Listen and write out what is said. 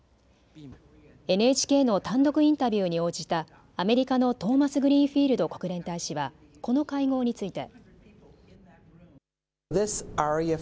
ＮＨＫの単独インタビューに応じたアメリカのトーマスグリーンフィールド国連大使はこの会合について。